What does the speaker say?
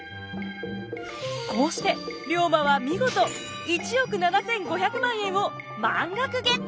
こうして龍馬は見事１億７，５００万円を満額ゲット！